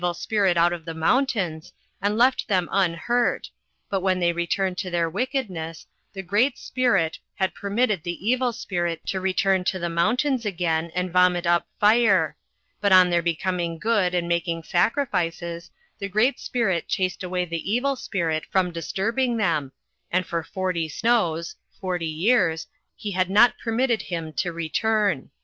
l Spirit out of the moun tains, and left them unhurt, but when they returned to their wickedness, the Great Spirit had permitted the Evil Spirit to return to the mountains again, and vomit up fire; but on their becoming good and making sacrifices, the Great Spirit chased away ths Eoil Spirit from disturbing them, and for forty snows (forty years) he had not permitted him to re turn.'